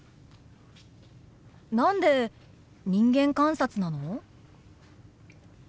何で人間観察なの？